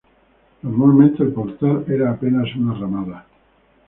Normalmente el portal era apenas una ramada.